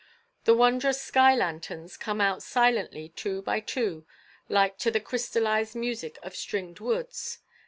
The wondrous sky lanterns come out silently two by two like to the crystallized music of stringed woods.